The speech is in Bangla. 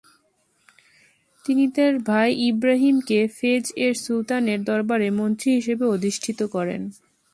তিনি তার ভাই ইবরাহিমকে ফেজ-এর সুলতানের দরবারে মন্ত্রী হিসেবে অধিষ্ঠিত করেন।